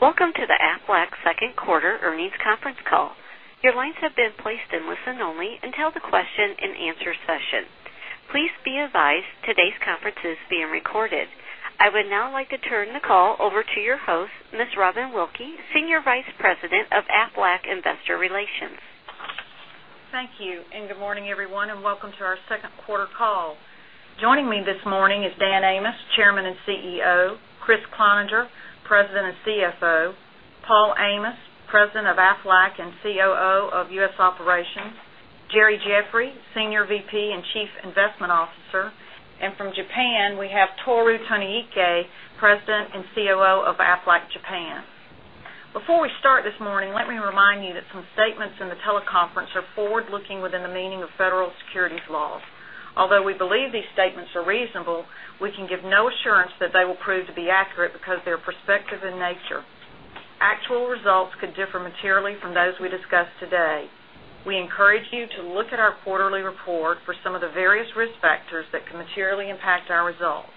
Welcome to the Aflac second quarter earnings conference call. Your lines have been placed in listen only until the question and answer session. Please be advised today's conference is being recorded. I would now like to turn the call over to your host, Ms. Robin Wilkey, Senior Vice President of Aflac Investor Relations. Thank you, and good morning, everyone, and welcome to our second quarter call. Joining me this morning is Dan Amos, Chairman and CEO, Kriss Cloninger, President and CFO, Paul Amos, President of Aflac and COO of U.S. Operations, Jerry Jeffery, Senior VP and Chief Investment Officer, and from Japan, we have Toru Taniike, President and COO of Aflac Japan. Before we start this morning, let me remind you that some statements in the teleconference are forward-looking within the meaning of federal securities laws. Although we believe these statements are reasonable, we can give no assurance that they will prove to be accurate because they are prospective in nature. Actual results could differ materially from those we discuss today. We encourage you to look at our quarterly report for some of the various risk factors that can materially impact our results.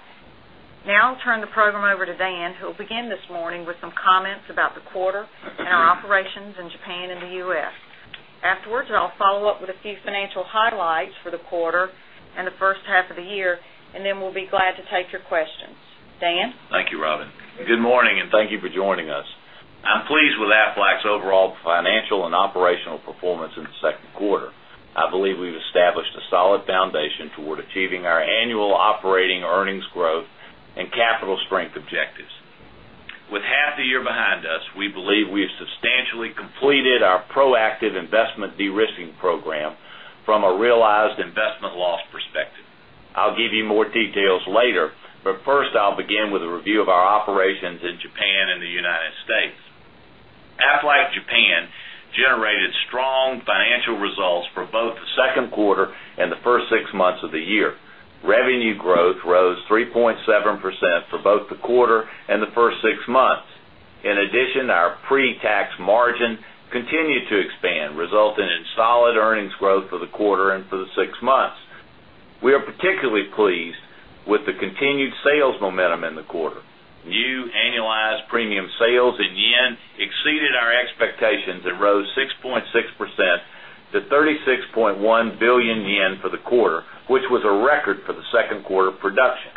Now I'll turn the program over to Dan, who will begin this morning with some comments about the quarter and our operations in Japan and the U.S. Afterwards, I'll follow up with a few financial highlights for the quarter and the first half of the year. Then we'll be glad to take your questions. Dan? Thank you, Robin. Good morning, and thank you for joining us. I'm pleased with Aflac's overall financial and operational performance in the second quarter. I believe we've established a solid foundation toward achieving our annual operating earnings growth and capital strength objectives. With half the year behind us, we believe we have substantially completed our proactive investment de-risking program from a realized investment loss perspective. I'll give you more details later. First, I'll begin with a review of our operations in Japan and the United States. Aflac Japan generated strong financial results for both the second quarter and the first six months of the year. Revenue growth rose 3.7% for both the quarter and the first six months. In addition, our pre-tax margin continued to expand, resulting in solid earnings growth for the quarter and for the six months. We are particularly pleased with the continued sales momentum in the quarter. New annualized premium sales in yen exceeded our expectations and rose 6.6% to 36.1 billion yen for the quarter, which was a record for the second quarter production.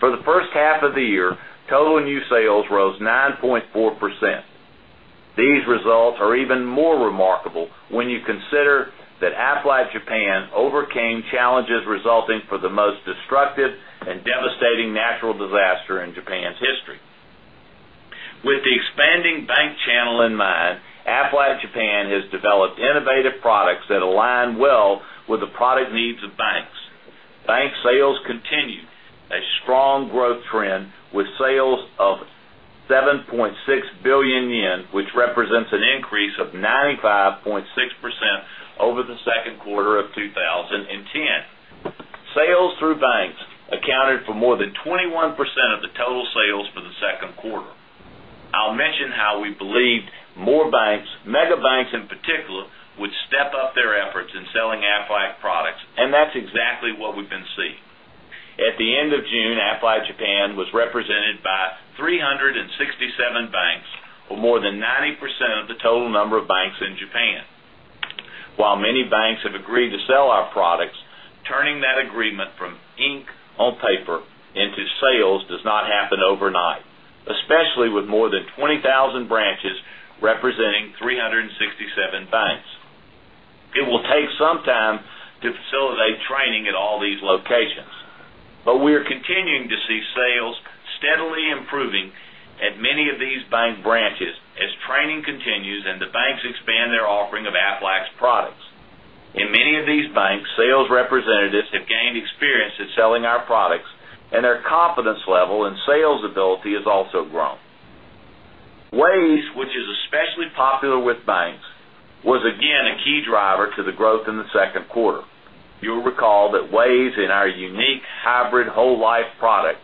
For the first half of the year, total new sales rose 9.4%. These results are even more remarkable when you consider that Aflac Japan overcame challenges resulting from the most destructive and devastating natural disaster in Japan's history. With the expanding bank channel in mind, Aflac Japan has developed innovative products that align well with the product needs of banks. Bank sales continued a strong growth trend with sales of 7.6 billion yen, which represents an increase of 95.6% over the second quarter of 2010. Sales through banks accounted for more than 21% of the total sales for the second quarter. I'll mention how we believed more banks, mega banks in particular, would step up their efforts in selling Aflac products. That's exactly what we've been seeing. At the end of June, Aflac Japan was represented by 367 banks or more than 90% of the total number of banks in Japan. While many banks have agreed to sell our products, turning that agreement from ink on paper into sales does not happen overnight, especially with more than 20,000 branches representing 367 banks. It will take some time to facilitate training at all these locations. We are continuing to see sales steadily improving at many of these bank branches as training continues and the banks expand their offering of Aflac's products. In many of these banks, sales representatives have gained experience in selling our products, and their confidence level and sales ability has also grown. WAYS, which is especially popular with banks, was again a key driver to the growth in the second quarter. You'll recall that WAYS is our unique hybrid whole life product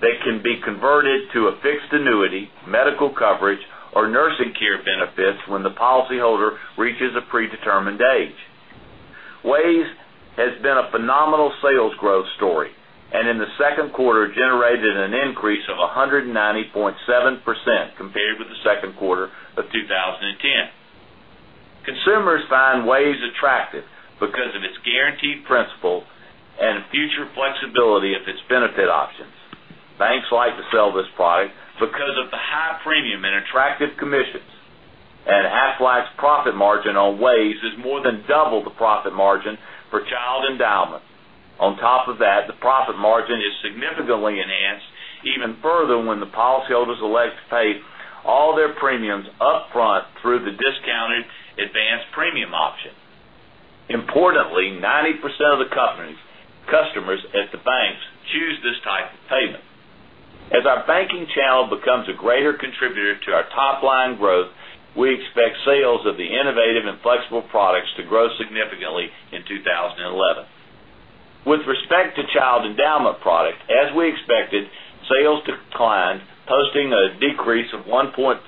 that can be converted to a fixed annuity, medical coverage, or nursing care benefits when the policyholder reaches a predetermined age. WAYS has been a phenomenal sales growth story, and in the second quarter generated an increase of 190.7% compared with the second quarter of 2010. Consumers find WAYS attractive because of its guaranteed principle and future flexibility of its benefit options. Banks like to sell this product because of the high premium and attractive commissions, and Aflac's profit margin on WAYS is more than double the profit margin for child endowment. On top of that, the profit margin is significantly enhanced even further when the policyholders elect to pay all their premiums up front through the discounted advanced premium option. Importantly, 90% of the customers at the banks choose this type of payment. As our banking channel becomes a greater contributor to our top-line growth, we expect sales of the innovative and flexible products to grow significantly in 2011. With respect to child endowment product, as we expected, sales declined, posting a decrease of 1.4%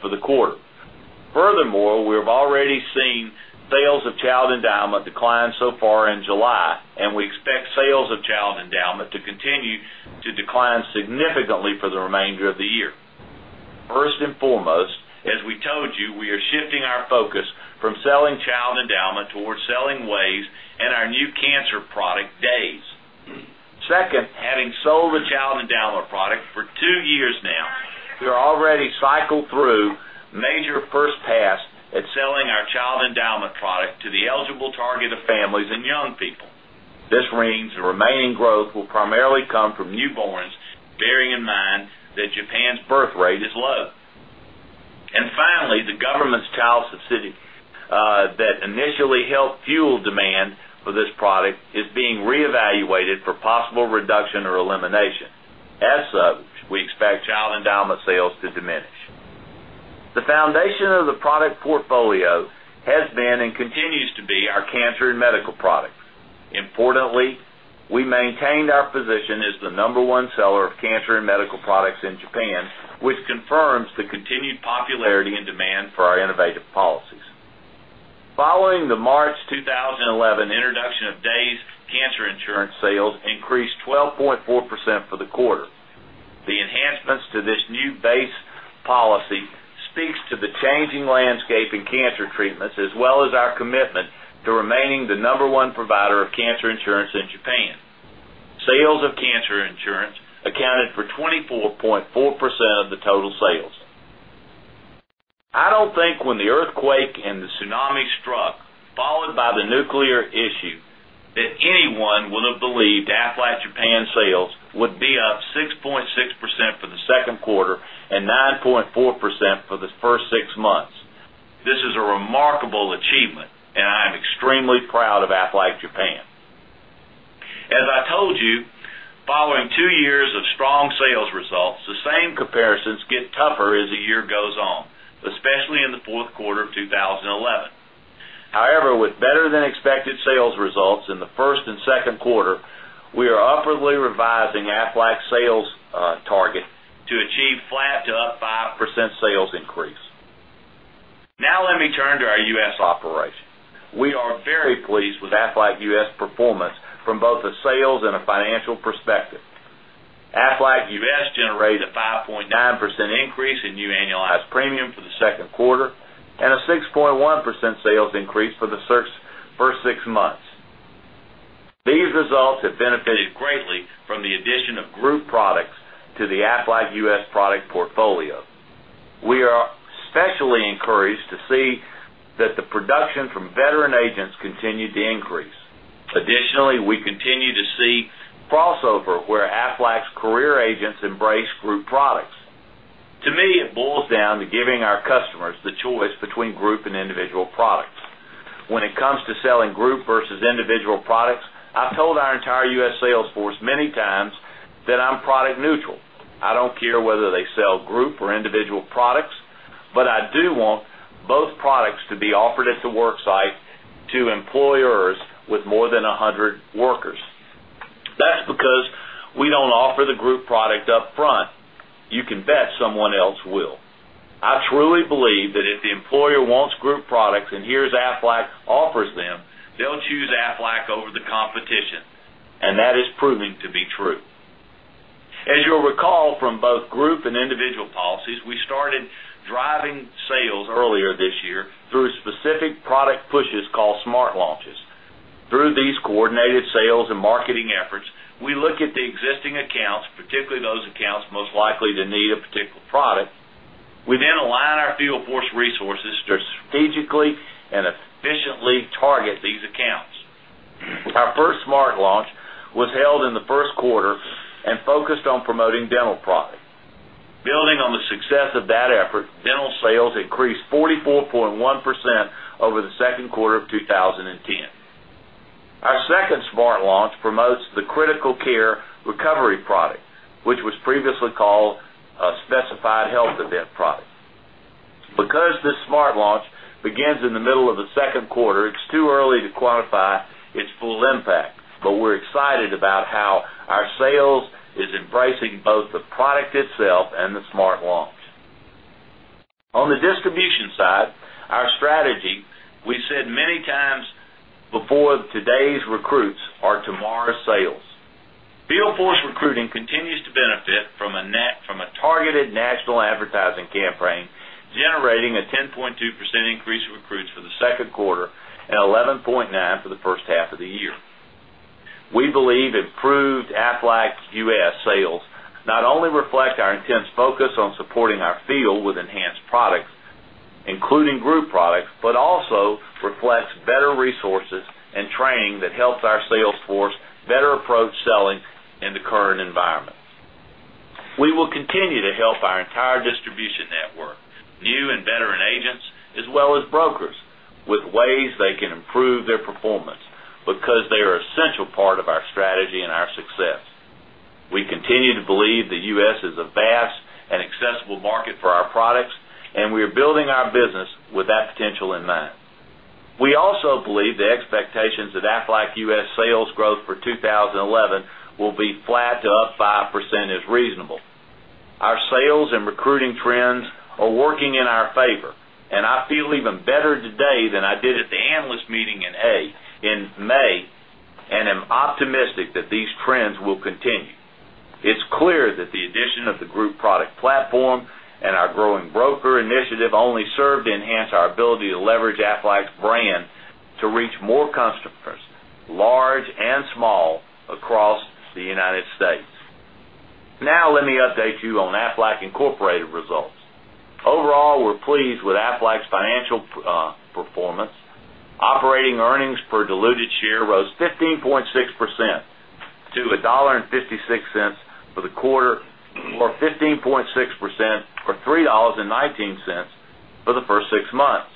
for the quarter. Furthermore, we have already seen sales of child endowment decline so far in July. To continue to decline significantly for the remainder of the year. First and foremost, as we told you, we are shifting our focus from selling child endowment towards selling WAYS and our new cancer product DAYS. Second, having sold the child endowment product for two years now, we are already cycled through major first pass at selling our child endowment product to the eligible target of families and young people. This means the remaining growth will primarily come from newborns, bearing in mind that Japan's birth rate is low. Finally, the government's child subsidy that initially helped fuel demand for this product is being reevaluated for possible reduction or elimination. As such, we expect child endowment sales to diminish. The foundation of the product portfolio has been and continues to be our cancer and medical products. Importantly, we maintained our position as the number 1 seller of cancer and medical products in Japan, which confirms the continued popularity and demand for our innovative policies. Following the March 2011 introduction of DAYS, cancer insurance sales increased 12.4% for the quarter. The enhancements to this new base policy speaks to the changing landscape in cancer treatments, as well as our commitment to remaining the number 1 provider of cancer insurance in Japan. Sales of cancer insurance accounted for 24.4% of the total sales. I don't think when the earthquake and the tsunami struck, followed by the nuclear issue, that anyone would have believed Aflac Japan sales would be up 6.6% for the second quarter and 9.4% for the first six months. This is a remarkable achievement, and I am extremely proud of Aflac Japan. As I told you, following two years of strong sales results, the same comparisons get tougher as the year goes on, especially in the fourth quarter of 2011. However, with better than expected sales results in the first and second quarter, we are upwardly revising Aflac's sales target to achieve flat to up 5% sales increase. Now let me turn to our U.S. operations. We are very pleased with Aflac U.S. performance from both a sales and a financial perspective. Aflac U.S. generated a 5.9% increase in new annualized premium for the second quarter and a 6.1% sales increase for the first six months. These results have benefited greatly from the addition of group products to the Aflac U.S. product portfolio. We are especially encouraged to see that the production from veteran agents continued to increase. Additionally, we continue to see crossover where Aflac's career agents embrace group products. To me, it boils down to giving our customers the choice between group and individual products. When it comes to selling group versus individual products, I've told our entire U.S. sales force many times that I'm product neutral. I don't care whether they sell group or individual products, but I do want both products to be offered at the work site to employers with more than 100 workers. That's because we don't offer the group product up front. You can bet someone else will. I truly believe that if the employer wants group products and hears Aflac offers them, they'll choose Aflac over the competition, and that is proving to be true. As you'll recall from both group and individual policies, we started driving sales earlier this year through specific product pushes called Smart Launches. Through these coordinated sales and marketing efforts, we look at the existing accounts, particularly those accounts most likely to need a particular product. We then align our field force resources to strategically and efficiently target these accounts. Our first Smart Launch was held in the first quarter and focused on promoting dental products. Building on the success of that effort, dental sales increased 44.1% over the second quarter of 2010. Our second Smart Launch promotes the Aflac Critical Care and Recovery product, which was previously called a Specified Health Event Protection product. Because this Smart Launch begins in the middle of the second quarter, it is too early to quantify its full impact, but we are excited about how our sales is embracing both the product itself and the Smart Launch. On the distribution side, our strategy, we said many times before, today's recruits are tomorrow's sales. Field force recruiting continues to benefit from a targeted national advertising campaign, generating a 10.2% increase in recruits for the second quarter and 11.9% for the first half of the year. We believe improved Aflac U.S. sales not only reflect our intense focus on supporting our field with enhanced products, including group products, but also reflects better resources and training that helps our sales force better approach selling in the current environment. We will continue to help our entire distribution network, new and veteran agents, as well as brokers, with ways they can improve their performance because they are a central part of our strategy and our success. We continue to believe the U.S. is a vast and accessible market for our products, and we are building our business with that potential in mind. We also believe the expectations of Aflac U.S. sales growth for 2011 will be flat to up 5% are working in our favor, and I feel even better today than I did at the analyst meeting in May, and am optimistic that these trends will continue. It is clear that the addition of the group product platform and our growing broker initiative only serve to enhance our ability to leverage Aflac's brand to reach more customers, large and small, across the United States. Now, let me update you on Aflac Incorporated results. Overall, we are pleased with Aflac's financial performance. Operating earnings per diluted share rose 15.6% to $1.56 for the quarter, or 15.6%, or $3.19 for the first six months.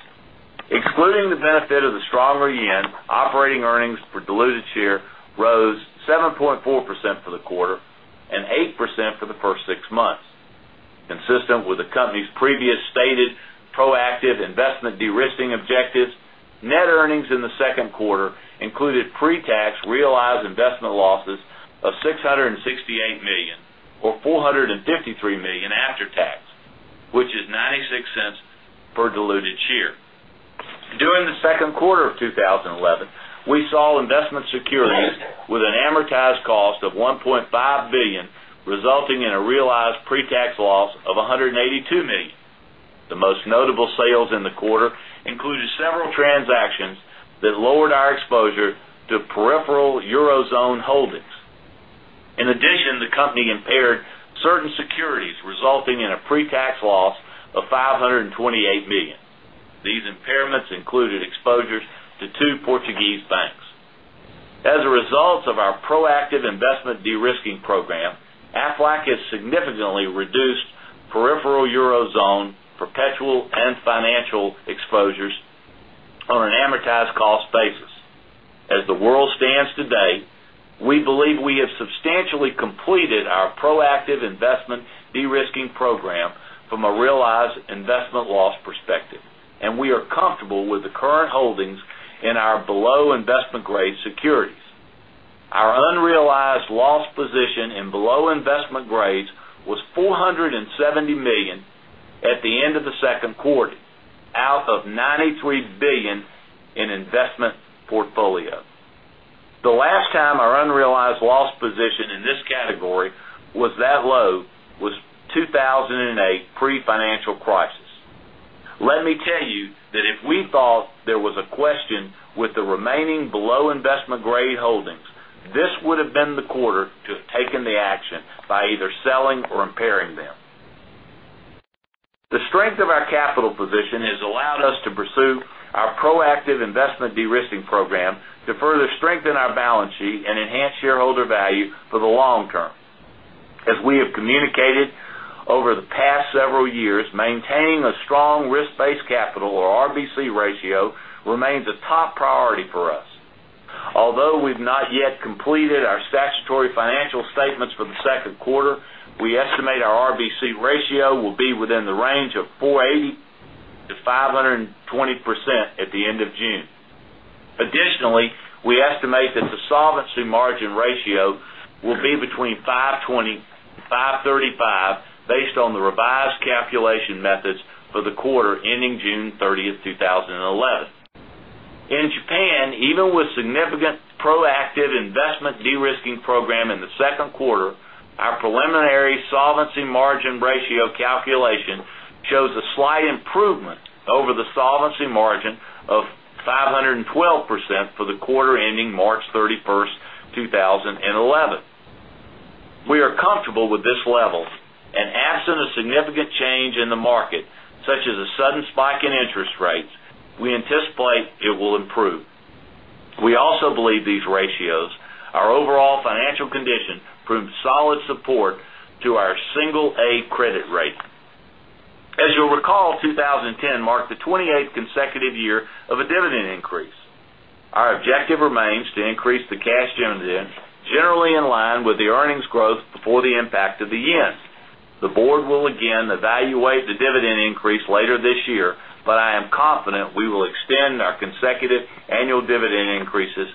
Excluding the benefit of the stronger JPY, operating earnings per diluted share rose 7.4% for the quarter and 8% for the first six months. Consistent with the company's previously stated proactive investment de-risking objectives, net earnings in the second quarter included pre-tax realized investment losses of $668 million, or $453 million after tax, which is $0.96 per diluted share. During the second quarter of 2011, we sold investment securities with an amortized cost of $1.5 billion, resulting in a realized pre-tax loss of $182 million. The most notable sales in the quarter included several transactions that lowered our exposure to peripheral Eurozone holdings. In addition, the company impaired certain securities, resulting in a pre-tax loss of $528 million. These impairments included exposures to two Portuguese banks. As a result of our proactive investment de-risking program, Aflac has significantly reduced peripheral Eurozone perpetual and financial exposures on an amortized cost basis. As the world stands today, we believe we have substantially completed our proactive investment de-risking program from a realized investment loss perspective, and we are comfortable with the current holdings in our below investment-grade securities. Our unrealized loss position in below investment grades was $470 million at the end of the second quarter, out of $93 billion in investment portfolio. The last time our unrealized loss position in this category was that low was 2008 pre-financial crisis. Let me tell you that if we thought there was a question with the remaining below investment grade holdings, this would have been the quarter to have taken the action by either selling or impairing them. The strength of our capital position has allowed us to pursue our proactive investment de-risking program to further strengthen our balance sheet and enhance shareholder value for the long term. As we have communicated over the past several years, maintaining a strong risk-based capital, or RBC ratio, remains a top priority for us. Although we've not yet completed our statutory financial statements for the second quarter, we estimate our RBC ratio will be within the range of 480%-520% at the end of June. Additionally, we estimate that the solvency margin ratio will be between 520% and 535% based on the revised calculation methods for the quarter ending June 30th, 2011. In Japan, even with significant proactive investment de-risking program in the second quarter, our preliminary solvency margin ratio calculation shows a slight improvement over the solvency margin of 512% for the quarter ending March 31st, 2011. We are comfortable with this level, absent a significant change in the market, such as a sudden spike in interest rates, we anticipate it will improve. We also believe these ratios are overall financial condition prove solid support to our single A credit rating. As you'll recall, 2010 marked the 28th consecutive year of a dividend increase. Our objective remains to increase the cash dividend generally in line with the earnings growth before the impact of the yen. The board will again evaluate the dividend increase later this year, I am confident we will extend our consecutive annual dividend increases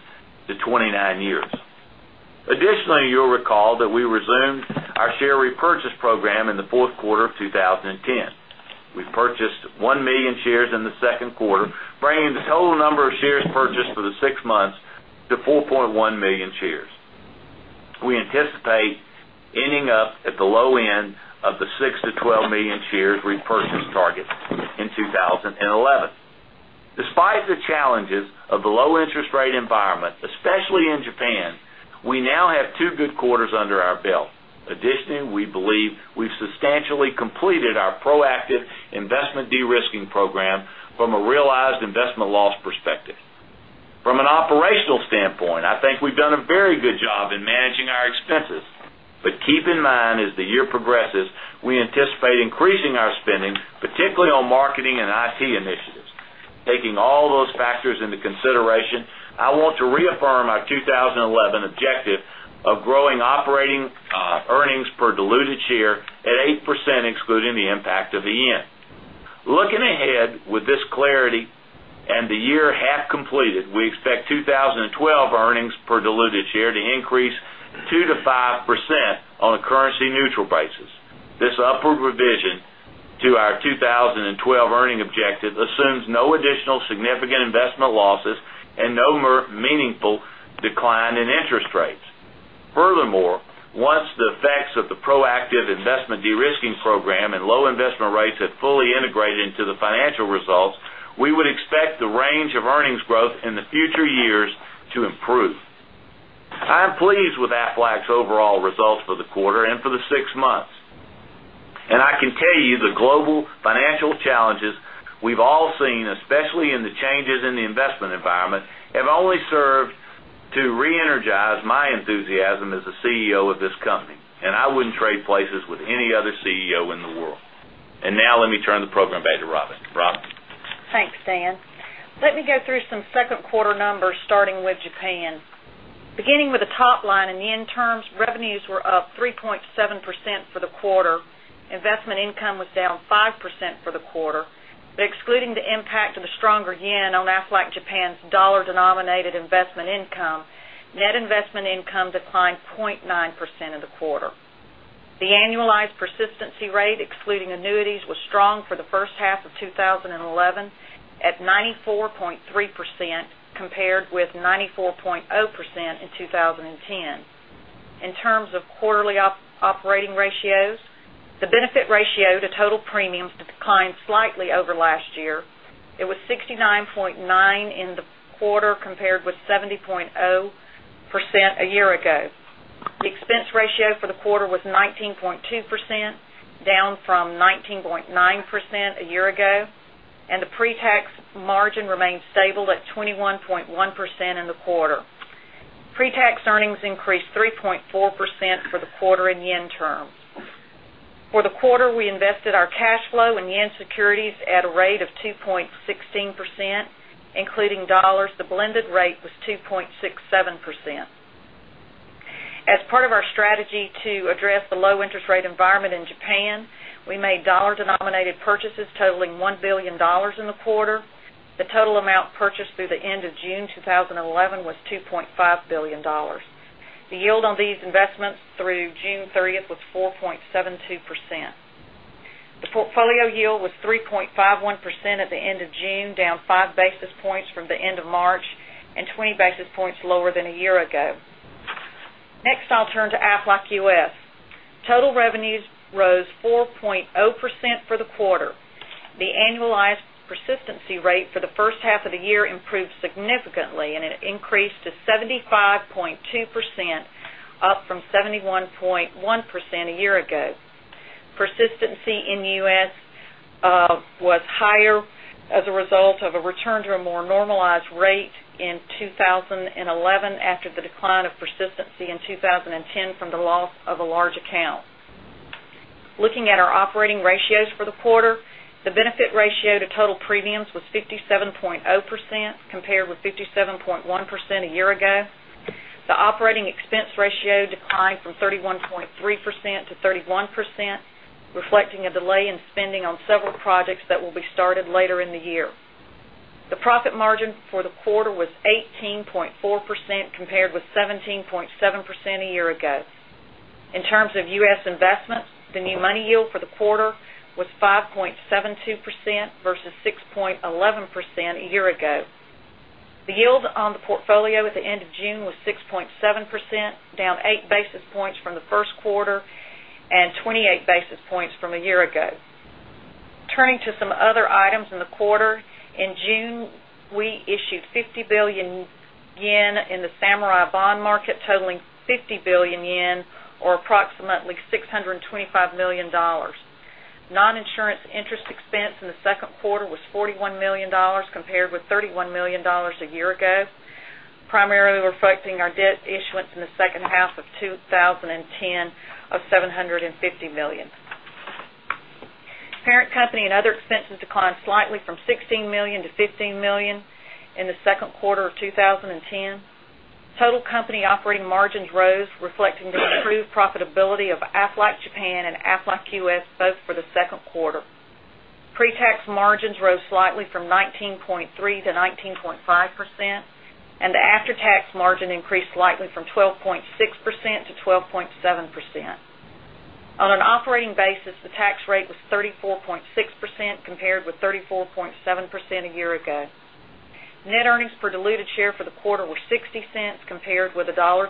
to 29 years. Additionally, you'll recall that we resumed our share repurchase program in the fourth quarter of 2010. We purchased 1 million shares in the second quarter, bringing the total number of shares purchased for the six months to 4.1 million shares. We anticipate ending up at the low end of the 6 million-12 million shares repurchase target in 2011. Despite the challenges of the low interest rate environment, especially in Japan, we now have two good quarters under our belt. Additionally, we believe we've substantially completed our proactive investment de-risking program from a realized investment loss perspective. From an operational standpoint, I think we've done a very good job in managing our expenses. Keep in mind, as the year progresses, we anticipate increasing our spending, particularly on marketing and IT initiatives. Taking all those factors into consideration, I want to reaffirm our 2011 objective of growing operating earnings per diluted share at 8%, excluding the impact of the yen. Looking ahead with this clarity and the year half completed, we expect 2012 earnings per diluted share to increase 2%-5% on a currency neutral basis. This upward revision to our 2012 earning objective assumes no additional significant investment losses and no more meaningful decline in interest rates. Furthermore, once the effects of the proactive investment de-risking program and low investment rates have fully integrated into the financial results, we would expect the range of earnings growth in the future years to improve. I'm pleased with Aflac's overall results for the quarter and for the six months. I can tell you the global financial challenges we've all seen, especially in the changes in the investment environment, have only served to re-energize my enthusiasm as the CEO of this company, I wouldn't trade places with any other CEO in the world. Now let me turn the program back to Robin. Robin? Thanks, Dan. Let me go through some second quarter numbers, starting with Japan. Beginning with the top line in JPY terms, revenues were up 3.7% for the quarter. Investment income was down 5% for the quarter, but excluding the impact of the stronger yen on Aflac Japan's USD-denominated investment income, net investment income declined 0.9% in the quarter. The annualized persistency rate, excluding annuities, was strong for the first half of 2011, at 94.3%, compared with 94.0% in 2010. In terms of quarterly operating ratios, the benefit ratio to total premiums declined slightly over last year. It was 69.9% in the quarter, compared with 70.0% a year ago. The expense ratio for the quarter was 19.2%, down from 19.9% a year ago, the pre-tax margin remained stable at 21.1% in the quarter. Pre-tax earnings increased 3.4% for the quarter in JPY terms. For the quarter, we invested our cash flow in JPY securities at a rate of 2.16%, including USD. The blended rate was 2.67%. As part of our strategy to address the low interest rate environment in Japan, we made USD-denominated purchases totaling $1 billion in the quarter. The total amount purchased through the end of June 2011 was $2.5 billion. The yield on these investments through June 30th was 4.72%. The portfolio yield was 3.51% at the end of June, down five basis points from the end of March and 20 basis points lower than a year ago. Next, I'll turn to Aflac U.S. Total revenues rose 4.0% for the quarter. The annualized persistency rate for the first half of the year improved significantly, it increased to 75.2%, up from 71.1% a year ago. Persistency in the U.S. was higher as a result of a return to a more normalized rate in 2011 after the decline of persistency in 2010 from the loss of a large account. Looking at our operating ratios for the quarter, the benefit ratio to total premiums was 57.0%, compared with 57.1% a year ago. The operating expense ratio declined from 31.3% to 31%, reflecting a delay in spending on several projects that will be started later in the year. The profit margin for the quarter was 18.4%, compared with 17.7% a year ago. In terms of U.S. investments, the new money yield for the quarter was 5.72% versus 6.11% a year ago. The yield on the portfolio at the end of June was 6.7%, down eight basis points from the first quarter and 28 basis points from a year ago. Turning to some other items in the quarter, in June, we issued 50 billion yen in the Samurai bond market, totaling 50 billion yen or approximately $625 million. Non-insurance interest expense in the second quarter was $41 million, compared with $31 million a year ago, primarily reflecting our debt issuance in the second half of 2010 of $750 million. Parent company and other expenses declined slightly from $16 million to $15 million in the second quarter of 2010. Total company operating margins rose, reflecting the improved profitability of Aflac Japan and Aflac U.S., both for the second quarter. Pre-tax margins rose slightly from 19.3%-19.5%, and the after-tax margin increased slightly from 12.6%-12.7%. On an operating basis, the tax rate was 34.6%, compared with 34.7% a year ago. Net earnings per diluted share for the quarter were $0.60, compared with $1.23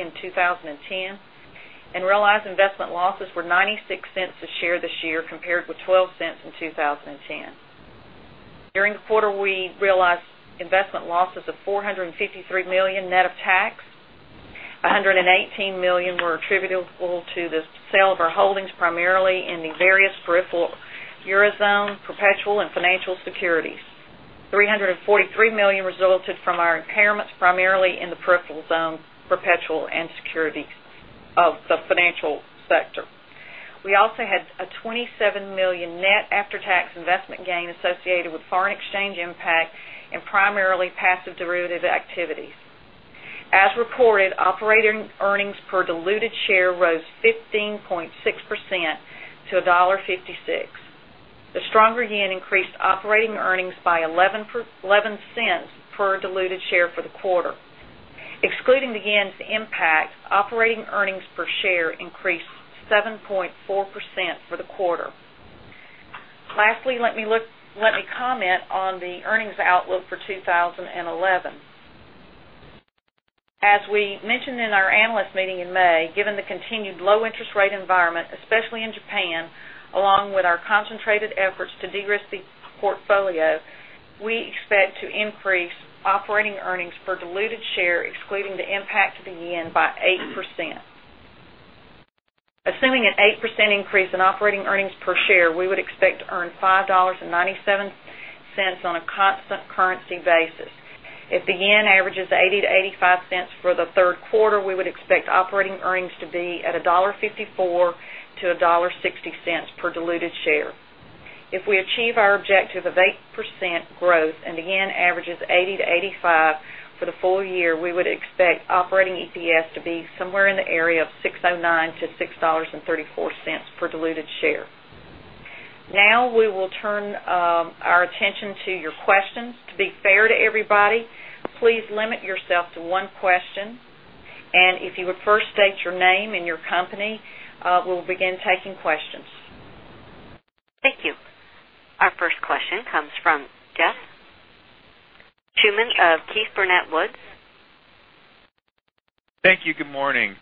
in 2010, and realized investment losses were $0.96 a share this year, compared with $0.12 in 2010. During the quarter, we realized investment losses of $453 million net of tax. $118 million were attributable to the sale of our holdings, primarily in the various peripheral Eurozone perpetual and financial securities. $343 million resulted from our impairments, primarily in the peripheral zone, perpetual, and security of the financial sector. We also had a $27 million net after-tax investment gain associated with foreign exchange impact and primarily passive derivative activities. As reported, operating earnings per diluted share rose 15.6% to $1.56. The stronger yen increased operating earnings by $0.11 per diluted share for the quarter. Excluding the yen's impact, operating earnings per share increased 7.4% for the quarter. Lastly, let me comment on the earnings outlook for 2011. As we mentioned in our analyst meeting in May, given the continued low interest rate environment, especially in Japan, along with our concentrated efforts to de-risk the portfolio, we expect to increase operating earnings per diluted share, excluding the impact of the yen, by 8%. Assuming an 8% increase in operating earnings per share, we would expect to earn $5.97 on a constant currency basis. If the yen averages 80 to 85 for the third quarter, we would expect operating earnings to be at $1.54-$1.60 per diluted share. If we achieve our objective of 8% growth and the yen averages 80 to 85 for the full year, we would expect operating EPS to be somewhere in the area of $6.09-$6.34 per diluted share. Now we will turn our attention to your questions. To be fair to everybody, please limit yourself to one question, and if you would first state your name and your company, we will begin taking questions. Thank you. Our first question comes from Jeff Schuman of Keefe, Bruyette & Woods. Thank you. Good morning.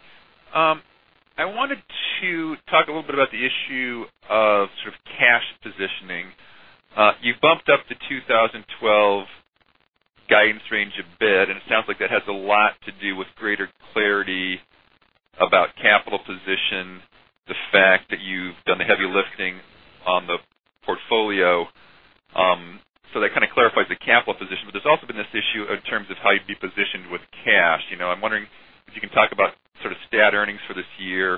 I wanted to talk a little bit about the issue of sort of cash positioning. You've bumped up the 2012 guidance range a bit, and it sounds like that has a lot to do with greater clarity about capital position, the fact that you've done the heavy lifting on the portfolio. That kind of clarifies the capital position. There's also been this issue in terms of how you'd be positioned with cash. I'm wondering if you can talk about sort of stat earnings for this year,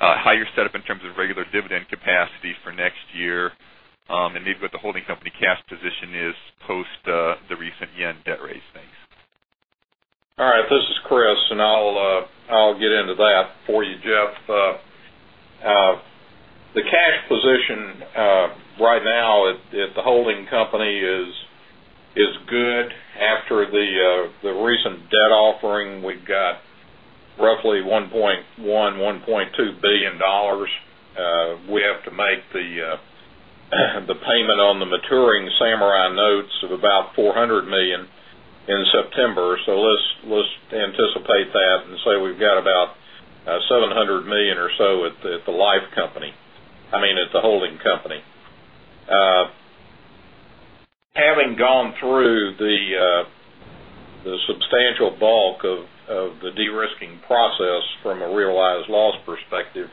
how you're set up in terms of regular dividend capacity for next year, and maybe what the holding company cash position is post the recent yen debt raise. Thanks. All right. This is Kriss, I'll get into that for you, Jeff. The cash position right now at the holding company is good. After the recent debt offering, we've got roughly $1.1 billion, $1.2 billion. We have to make the payment on the maturing Samurai notes of about $400 million in September. Let's anticipate that and say we've got about $700 million or so at the life company. I mean, at the holding company. Having gone through the substantial bulk of the de-risking process from a realized loss perspective,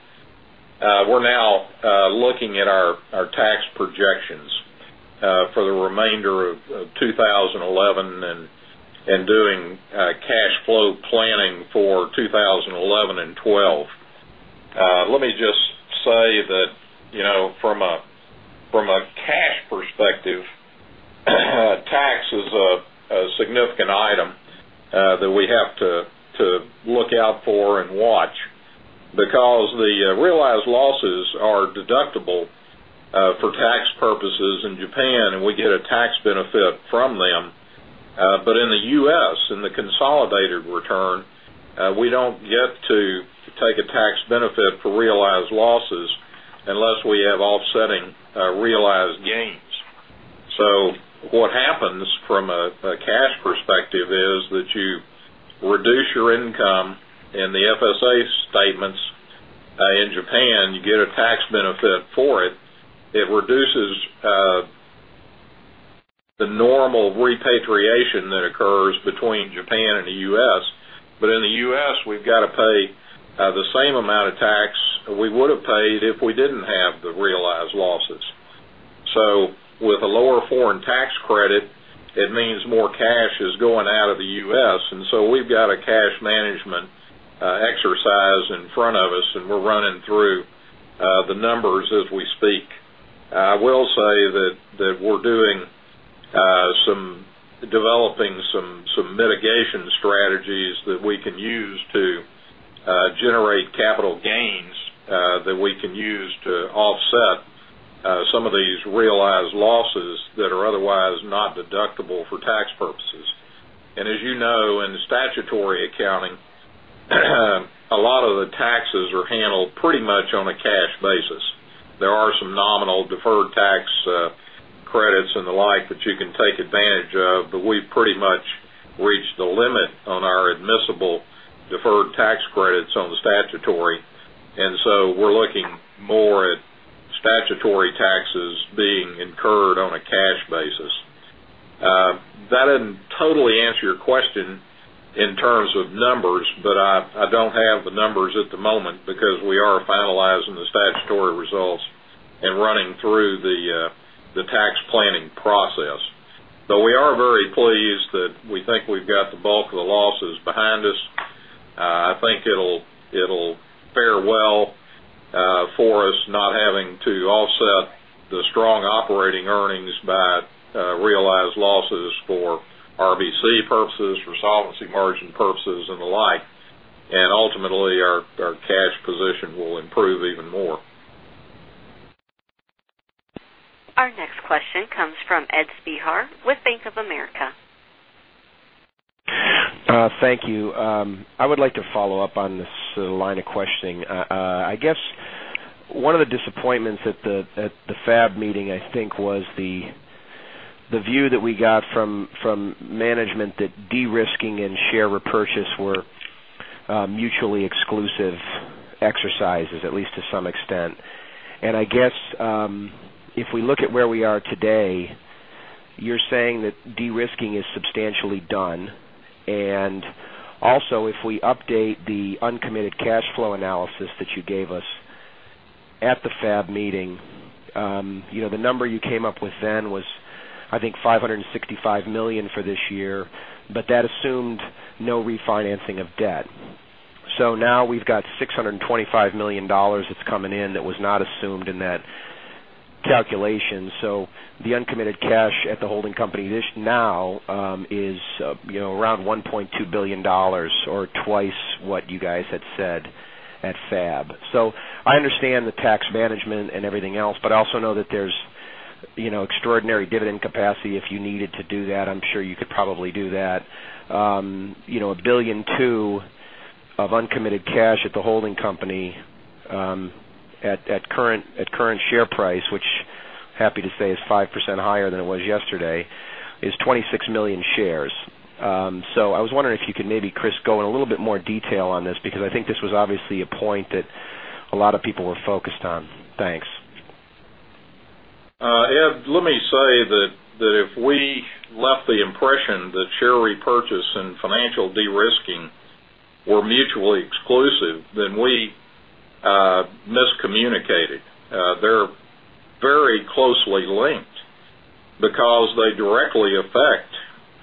we're now looking at our tax projections for the remainder of 2011 and doing cash flow planning for 2011 and 2012. Let me just say that from a cash perspective, tax is a significant item that we have to look out for and watch because the realized losses are deductible for tax purposes in Japan, and we get a tax benefit from them. In the U.S., in the consolidated return, we don't get to take a tax benefit for realized losses unless we have offsetting realized gains. What happens from a cash perspective is that you reduce your income in the FSA statements. In Japan, you get a tax benefit for it. It reduces the normal repatriation that occurs between Japan and the U.S. In the U.S., we've got to pay the same amount of tax we would have paid if we didn't have the realized losses. With a lower foreign tax credit, it means more cash is going out of the U.S., we've got a cash management exercise in front of us, and we're running through the numbers as we speak. I will say that we're developing some mitigation strategies that we can use to generate capital gains that we can use to offset some of these realized losses that are otherwise not deductible for tax purposes. As you know, in statutory accounting, a lot of the taxes are handled pretty much on a cash basis. There are some nominal deferred tax credits and the like that you can take advantage of, but we've pretty much reached the limit on our admissible deferred tax credits on the statutory, we're looking more at statutory taxes being incurred on a cash basis. That doesn't totally answer your question in terms of numbers, I don't have the numbers at the moment because we are finalizing the statutory results and running through the tax planning process. We are very pleased that we think we've got the bulk of the losses behind us. I think it'll fare well for us not having to offset the strong operating earnings RBC purposes, for solvency margin purposes, and the like. Ultimately, our cash position will improve even more. Our next question comes from Ed Spehar with Bank of America. Thank you. I would like to follow up on this line of questioning. I guess one of the disappointments at the FAB meeting, I think, was the view that we got from management that de-risking and share repurchase were mutually exclusive exercises, at least to some extent. I guess, if we look at where we are today, you're saying that de-risking is substantially done, also if we update the uncommitted cash flow analysis that you gave us at the FAB meeting, the number you came up with then was, I think, $565 million for this year, but that assumed no refinancing of debt. Now we've got $625 million that's coming in that was not assumed in that calculation. The uncommitted cash at the holding company now is around $1.2 billion or twice what you guys had said at FAB. I understand the tax management and everything else, but I also know that there's extraordinary dividend capacity if you needed to do that. I'm sure you could probably do that. $1.2 billion of uncommitted cash at the holding company, at current share price, which happy to say is 5% higher than it was yesterday, is 26 million shares. I was wondering if you could maybe, Kriss, go in a little bit more detail on this, because I think this was obviously a point that a lot of people were focused on. Thanks. Ed, let me say that if we left the impression that share repurchase and financial de-risking were mutually exclusive, we miscommunicated. They're very closely linked because they directly affect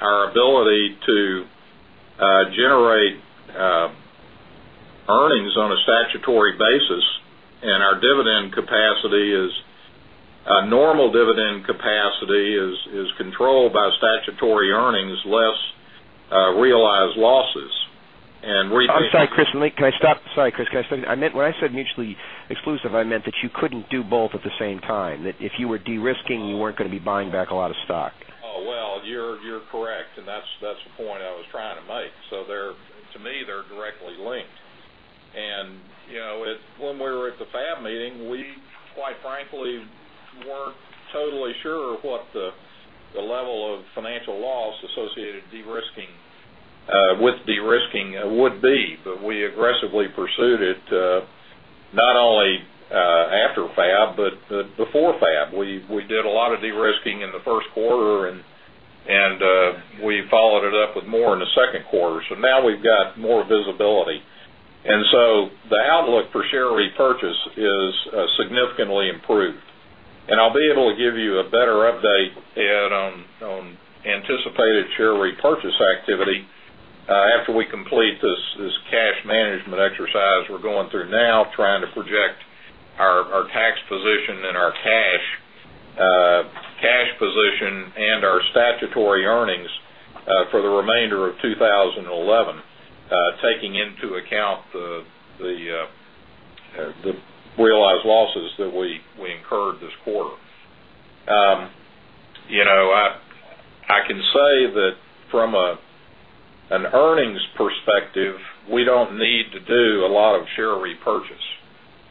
our ability to generate earnings on a statutory basis, and our normal dividend capacity is controlled by statutory earnings, less realized losses. I'm sorry, Kriss, can I stop? Sorry, Kriss. When I said mutually exclusive, I meant that you couldn't do both at the same time, that if you were de-risking, you weren't going to be buying back a lot of stock. Well, you're correct, and that's the point I was trying to make. To me, they're directly linked. When we were at the FAB meeting, we quite frankly weren't totally sure what the level of financial loss associated with de-risking would be. We aggressively pursued it, not only after FAB, but before FAB. We did a lot of de-risking in the first quarter, and we followed it up with more in the second quarter. Now we've got more visibility. The outlook for share repurchase is significantly improved. I'll be able to give you a better update, Ed, on anticipated share repurchase activity after we complete this cash management exercise we're going through now, trying to project our tax position and our cash position, and our statutory earnings, for the remainder of 2011, taking into account the realized losses that we incurred this quarter. I can say that from an earnings perspective, we don't need to do a lot of share repurchase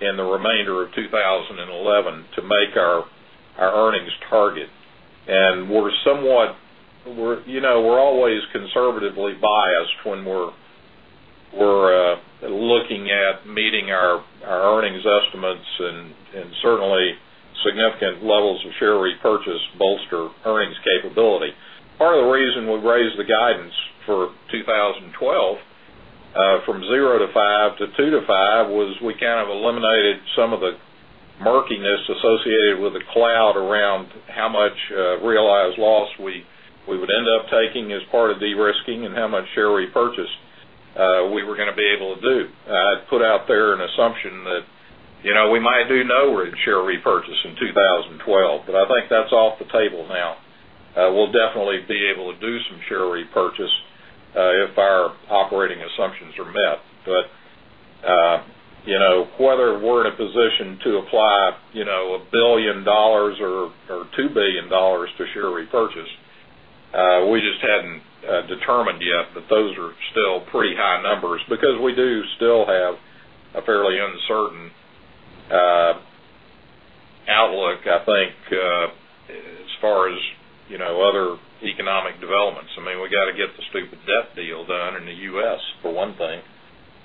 in the remainder of 2011 to make our earnings target. We're always conservatively biased when we're looking at meeting our earnings estimates and certainly significant levels of share repurchase bolster earnings capability. Part of the reason we raised the guidance for 2012 from 0%-5% to 2%-5% was we kind of eliminated some of the murkiness associated with the cloud around how much realized loss we would end up taking as part of de-risking and how much share repurchase we were going to be able to do. I had put out there an assumption that we might do no share repurchase in 2012, I think that's off the table now. We'll definitely be able to do some share repurchase, if our operating assumptions are met. Whether we're in a position to apply $1 billion or $2 billion to share repurchase, we just hadn't determined yet. Those are still pretty high numbers because we do still have a fairly uncertain outlook, I think, as far as other economic developments. I mean, we've got to get the stupid debt deal done in the U.S., for one thing,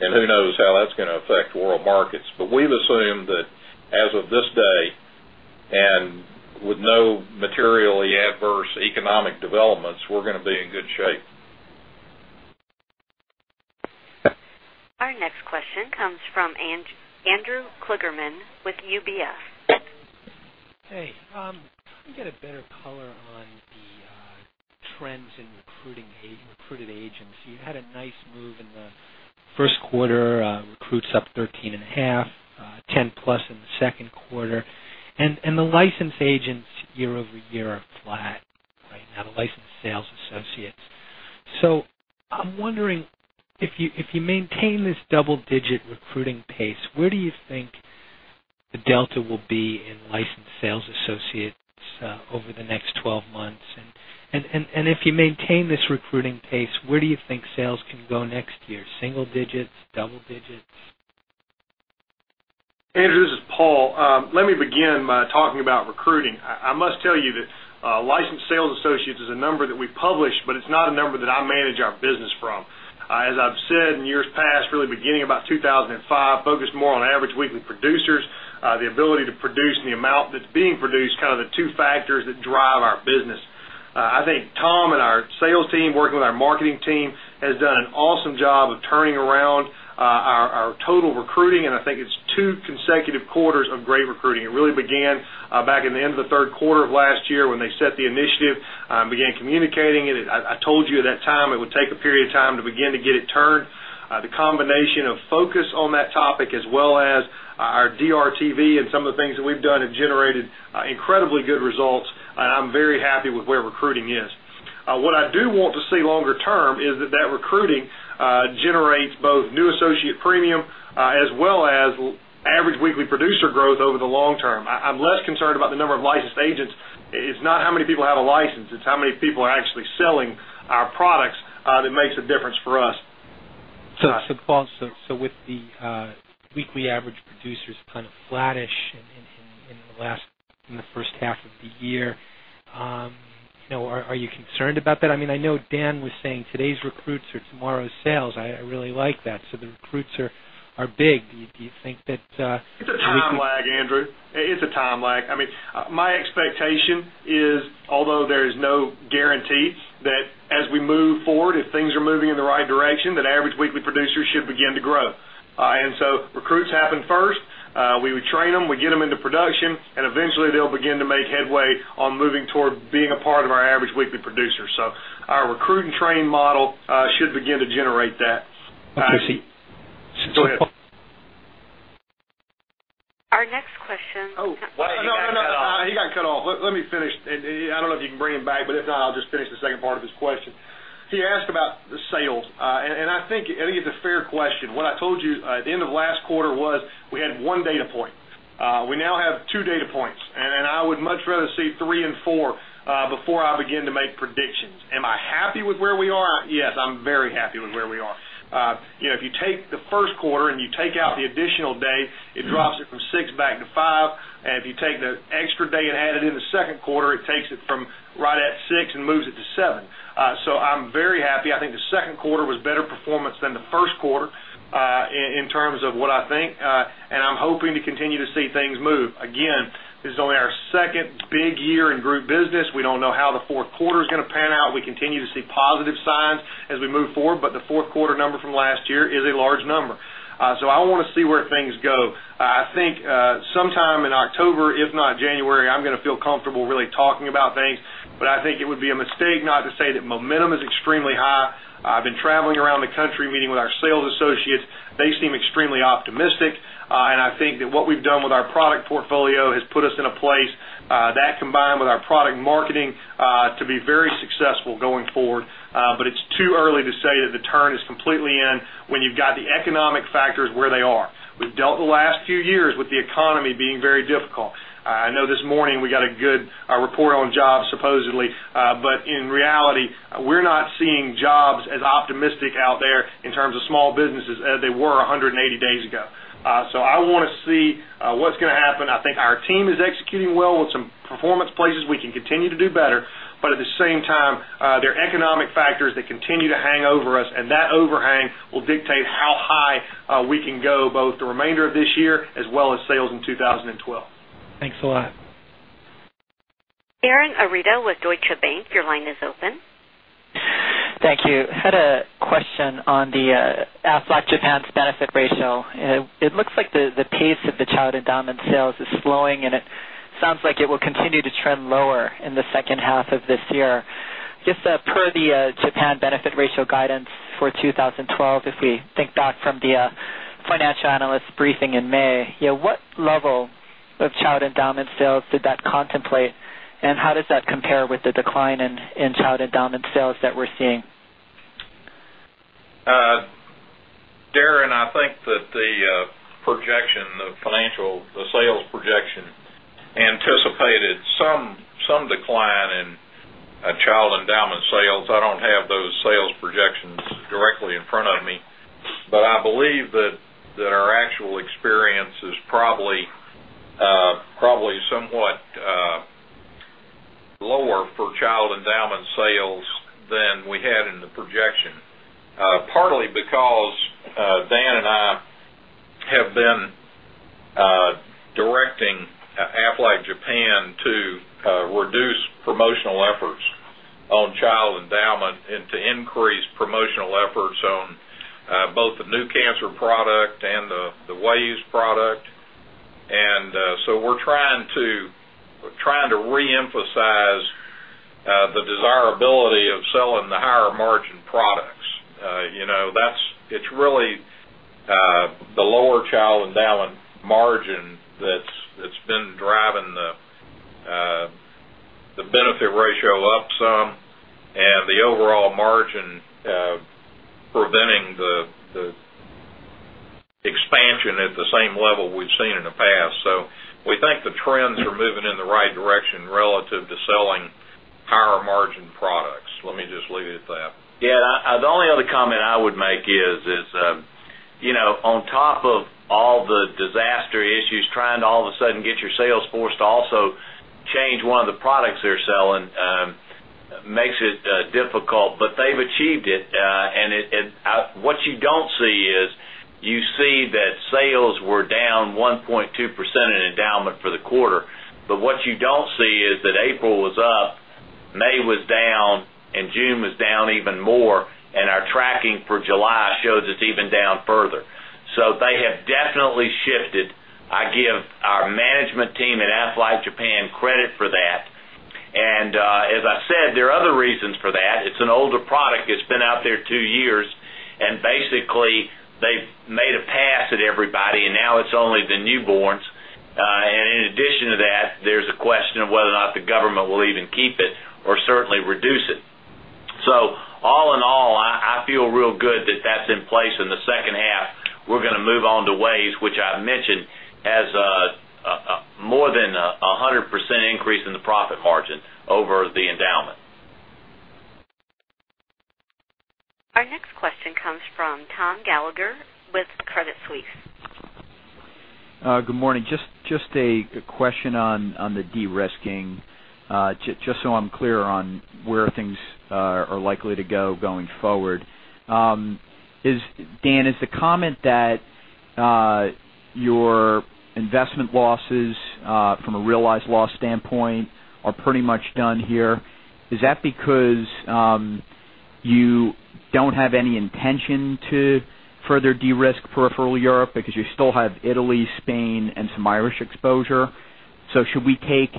and who knows how that's going to affect world markets. We've assumed that as of this day, and with no materially adverse economic developments, we're going to be in good shape. Our next question comes from Andrew Kligerman with UBS. Hey. Can we get a better color on the trends in recruited agents? You had a nice move in the first quarter, recruits up 13.5%. 10%+ in the second quarter. The licensed agents year-over-year are flat. Right now, the licensed sales associates. I'm wondering, if you maintain this double-digit recruiting pace, where do you think the delta will be in licensed sales associates over the next 12 months? If you maintain this recruiting pace, where do you think sales can go next year? Single digits? Double digits? Andrew, this is Paul. Let me begin by talking about recruiting. I must tell you that licensed sales associates is a number that we publish, but it's not a number that I manage our business from. As I've said in years past, really beginning about 2005, focused more on average weekly producers, the ability to produce and the amount that's being produced, kind of the two factors that drive our business. I think Tom and our sales team, working with our marketing team, has done an awesome job of turning around our total recruiting. It's two consecutive quarters of great recruiting. It really began back in the end of the third quarter of last year when they set the initiative, began communicating it. I told you at that time it would take a period of time to begin to get it turned. The combination of focus on that topic, as well as our DRTV and some of the things that we've done, have generated incredibly good results. I'm very happy with where recruiting is. What I do want to see longer term is that that recruiting generates both new associate premium as well as average weekly producer growth over the long term. I'm less concerned about the number of licensed agents. It's not how many people have a license, it's how many people are actually selling our products that makes a difference for us. Paul, with the weekly average producers kind of flattish in the first half of the year, are you concerned about that? I know Dan was saying today's recruits are tomorrow's sales. I really like that. The recruits are big. Do you think that- It's a time lag, Andrew. It is a time lag. My expectation is, although there is no guarantees, that as we move forward, if things are moving in the right direction, that average weekly producers should begin to grow. Recruits happen first. We would train them, we get them into production, and eventually they'll begin to make headway on moving toward being a part of our average weekly producers. Our recruit and train model should begin to generate that. I see. Go ahead. Our next question- Oh. No, he got cut off. Let me finish. I don't know if you can bring him back, but if not, I'll just finish the second part of his question. He asked about the sales. I think it's a fair question. What I told you at the end of last quarter was we had one data point. We now have two data points, and I would much rather see three and four, before I begin to make predictions. Am I happy with where we are? Yes, I'm very happy with where we are. If you take the first quarter and you take out the additional day, it drops it from six back to five. If you take the extra day and add it in the second quarter, it takes it from right at six and moves it to seven. I'm very happy. I think the second quarter was better performance than the first quarter, in terms of what I think, I'm hoping to continue to see things move. Again, this is only our second big year in group business. We don't know how the fourth quarter is going to pan out. We continue to see positive signs as we move forward, but the fourth quarter number from last year is a large number. I want to see where things go. I think, sometime in October, if not January, I'm going to feel comfortable really talking about things. I think it would be a mistake not to say that momentum is extremely high. I've been traveling around the country meeting with our sales associates. They seem extremely optimistic. I think that what we've done with our product portfolio has put us in a place, that combined with our product marketing, to be very successful going forward. It's too early to say that the turn is completely in when you've got the economic factors where they are. We've dealt the last few years with the economy being very difficult. I know this morning we got a good report on jobs, supposedly. In reality, we're not seeing jobs as optimistic out there in terms of small businesses as they were 180 days ago. I want to see what's going to happen. I think our team is executing well on some performance places. We can continue to do better. At the same time, there are economic factors that continue to hang over us, and that overhang will dictate how high we can go, both the remainder of this year as well as sales in 2012. Thanks a lot. Aaron Arida with Deutsche Bank, your line is open. Thank you. Had a question on the Aflac Japan's benefit ratio. It looks like the pace of the child endowment sales is slowing, and it sounds like it will continue to trend lower in the second half of this year. Just per the Japan benefit ratio guidance for 2012, if we think back from the financial analyst briefing in May, what level of child endowment sales did that contemplate, and how does that compare with the decline in child endowment sales that we're seeing? Aaron, I think that the projection, the financial sales projection anticipated some decline in child endowment sales. I don't have those sales projections directly in front of me, but I believe that our actual experience is probably somewhat lower for child endowment sales than we had in the projection. Partly because Dan and I have been directing Aflac Japan to reduce promotional efforts on child endowment and to increase promotional efforts on both the new cancer product and the WAYS product. So we're trying to reemphasize the desirability It's really the lower child endowment margin that's been driving the benefit ratio up some and the overall margin preventing the expansion at the same level we've seen in the past. We think the trends are moving in the right direction relative to selling higher margin products. Let me just leave it at that. Yeah. The only other comment I would make is, on top of all the disaster issues, trying to all of a sudden get your sales force to also change one of the products they're selling makes it difficult, but they've achieved it. What you don't see is you see that sales were down 1.2% in child endowment for the quarter. What you don't see is that April was up, May was down, and June was down even more, and our tracking for July shows it's even down further. They have definitely shifted. I give our management team at Aflac Japan credit for that. As I said, there are other reasons for that. It's an older product that's been out there two years, and basically they've made a pass at everybody, and now it's only the newborns. In addition to that, there's a question of whether or not the government will even keep it or certainly reduce it. All in all, I feel real good that that's in place in the second half. We're going to move on to WAYS, which I mentioned has more than 100% increase in the profit margin over the child endowment. Our next question comes from Thomas Gallagher with Credit Suisse. Good morning. Just a question on the de-risking, just so I'm clear on where things are likely to go going forward. Dan, is the comment that your investment losses, from a realized loss standpoint, are pretty much done here, is that because you don't have any intention to further de-risk peripheral Europe because you still have Italy, Spain, and some Irish exposure? Should we take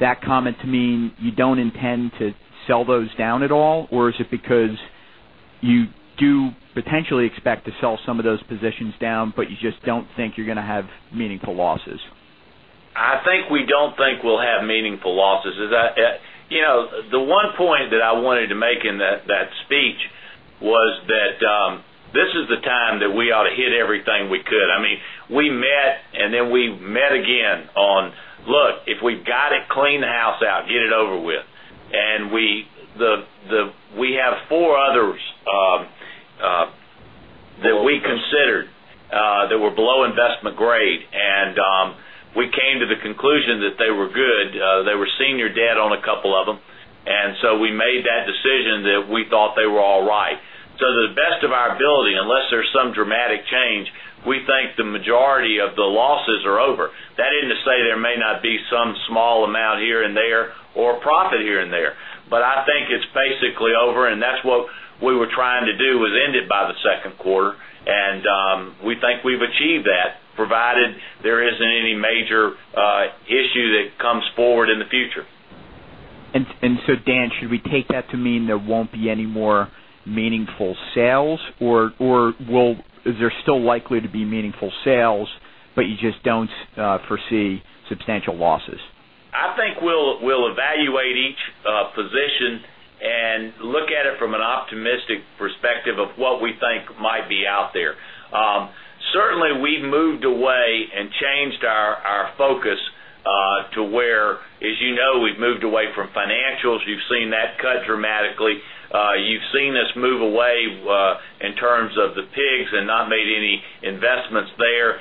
that comment to mean you don't intend to sell those down at all? Or is it because you do potentially expect to sell some of those positions down, but you just don't think you're going to have meaningful losses? I think we don't think we'll have meaningful losses. The one point that I wanted to make in that speech was that this is the time that we ought to hit everything we could. We met and then we met again on, look, if we've got it, clean the house out, get it over with. We have four others that we considered that were below investment grade, and we came to the conclusion that they were good. There was senior debt on a couple of them, and so we made that decision that we thought they were all right. To the best of our ability, unless there's some dramatic change, we think the majority of the losses are over. That isn't to say there may not be some small amount here and there or profit here and there, but I think it's basically over, and that's what we were trying to do was end it by the second quarter. We think we've achieved that, provided there isn't any major issue that comes forward in the future. Dan, should we take that to mean there won't be any more meaningful sales? Is there still likely to be meaningful sales, but you just don't foresee substantial losses? I think we'll evaluate each position and look at it from an optimistic perspective of what we think might be out there. Certainly, we've moved away and changed our focus to where, as you know, we've moved away from financials. You've seen that cut dramatically. You've seen us move away in terms of the PIIGS and not made any investments there.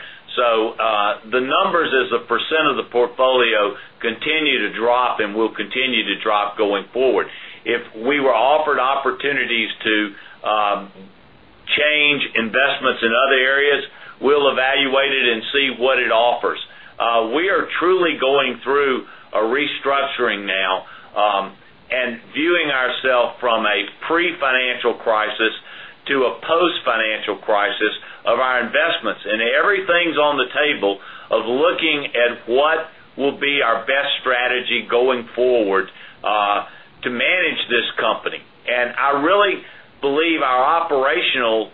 The numbers as a percent of the portfolio continue to drop and will continue to drop going forward. If we were offered opportunities to change investments in other areas, we'll evaluate it and see what it offers. We are truly going through a restructuring now and viewing ourself from a pre-financial crisis to a post-financial crisis of our investments. Everything's on the table of looking at what will be our best strategy going forward to manage this company. I really believe our operational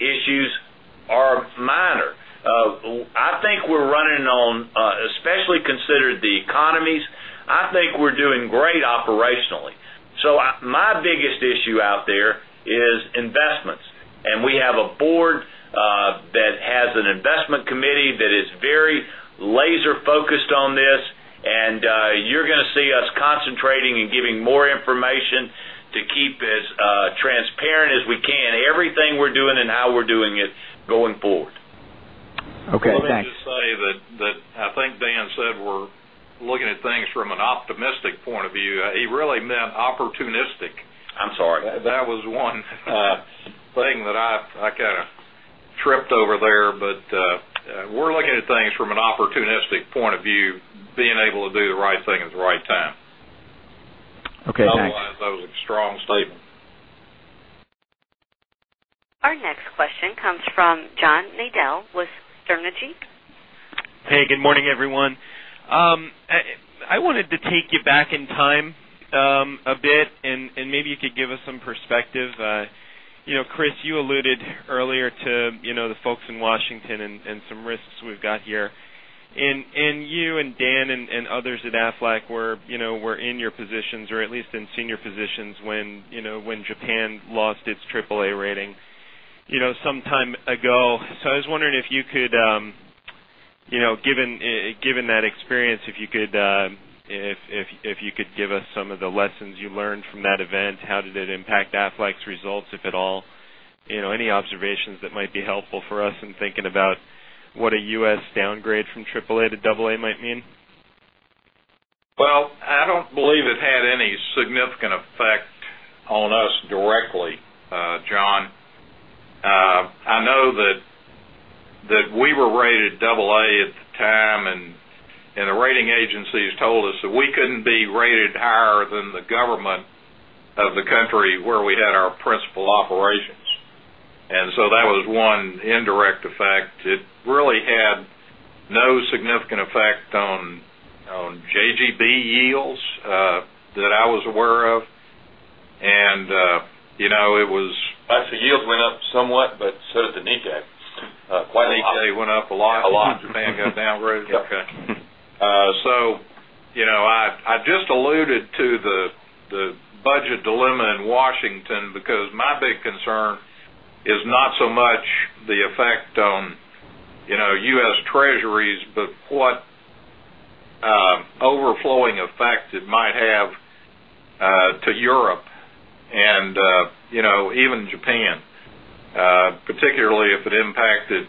issues are minor. I think we're running on, especially considered the economies, I think we're doing great operationally. My biggest issue out there is investments. We have a board that has an investment committee that is very laser-focused on this, and you're going to see us concentrating and giving more information to keep as transparent as we can, everything we're doing and how we're doing it going forward. Okay, thanks. Let me just say that I think Dan said we're looking at things from an optimistic point of view. He really meant opportunistic. I'm sorry. That was one thing that I kind of tripped over there. We're looking at things from an opportunistic point of view, being able to do the right thing at the right time. Okay, thanks. That was a strong statement. Our next question comes from John Nadel with Stifel. Hey, good morning, everyone. I wanted to take you back in time a bit, maybe you could give us some perspective. Kriss, you alluded earlier to the folks in Washington and some risks we've got here. You and Dan and others at Aflac were in your positions or at least in senior positions when Japan lost its AAA rating sometime ago. I was wondering if you could, given that experience, if you could give us some of the lessons you learned from that event. How did it impact Aflac's results, if at all? Any observations that might be helpful for us in thinking about what a U.S. downgrade from AAA to AA might mean? Well, I don't believe it had any significant effect on us directly, John. I know that we were rated AA at the time, the rating agencies told us that we couldn't be rated higher than the government of the country where we had our principal operations. That was one indirect effect. It really had no significant effect on JGB yields that I was aware of. I'd say yields went up somewhat, but so did the Nikkei. The Nikkei went up a lot. A lot. Japan got downgraded. Yeah. Okay. I just alluded to the budget dilemma in Washington because my big concern is not so much the effect on U.S. Treasuries, but what overflowing effect it might have to Europe and even Japan, particularly if it impacted